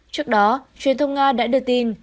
trước đó truyền thông nga đã được tin